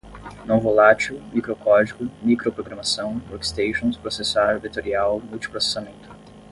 não-volátil, microcódigo, microprogramação, workstations, processar, vetorial, multiprocessamento